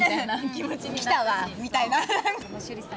「きたわ」みたいな。